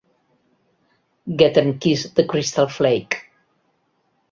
"Get em Kiss the Crystal Flake"